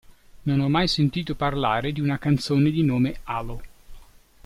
Non ho mai sentito parlare di una canzone di nome Halo.